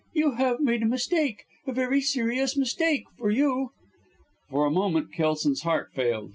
"You have made a mistake a very serious mistake for you." For a moment Kelson's heart failed.